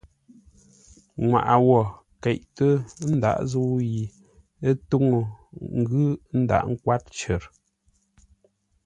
Nŋwaʼa wó keʼtə́ ndǎghʼ zə̂u yi túŋə́ ngʉ́ ndǎghʼ kwár cər.